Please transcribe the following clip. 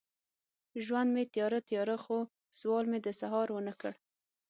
ژوند مې تیاره، تیاره، خو سوال مې د سهار ونه کړ